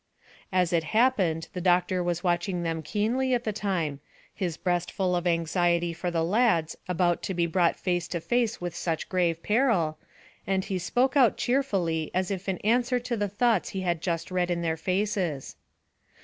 As it happened the doctor was watching them keenly at the time, his breast full of anxiety for the lads about to be brought face to face with such grave peril, and he spoke out cheerfully as if in answer to the thoughts he had just read in their faces.